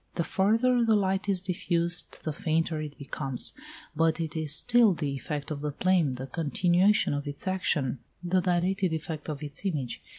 The farther the light is diffused the fainter it becomes; but it is still the effect of the flame, the continuation of its action, the dilated effect of its image.